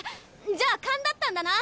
じゃあ勘だったんだな！